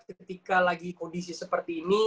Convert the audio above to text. ketika lagi kondisi seperti ini